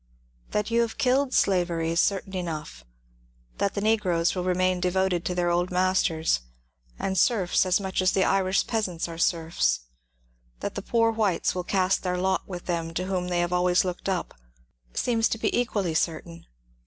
That you have killed slavery is certain enough. That the negproes will remain devoted to their old masters, and serfs as much as the Irish peasants are serfs, that the poor whites will cast their lot with them to whom they have always looked up, seems to be equally certain.